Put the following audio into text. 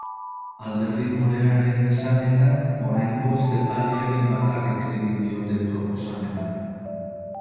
Alderdi morearen esanetan, oraingoz epaileari bakarrik egin diote proposamena.